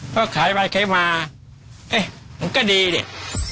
ค่ะค่ะก็ขายไปขายมาเอ๊ะแล้วก็ดีเนี้ย